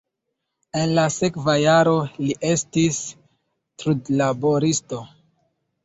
En la sekva jaro li estis trudlaboristo.